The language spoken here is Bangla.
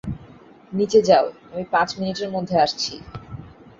নিচে যাও, আমি পাঁচ মিনিটের মধ্যে আসছি।